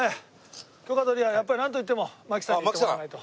許可取りはやっぱりなんと言っても槙さんに行ってもらわないと。